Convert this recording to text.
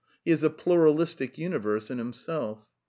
He is a pluralistic imiverse in himself.